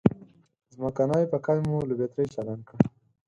ځمکنی پکی مو له بترۍ چالان کړ.